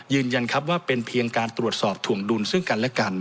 ยืนยันครับว่าเป็นเพียงการตรวจสอบถวงดุลซึ่งกันและกัน